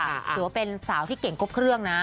ถือว่าเป็นสาวที่เก่งครบเครื่องนะ